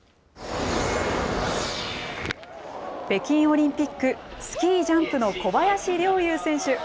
北京オリンピック、スキージャンプの小林陵侑選手。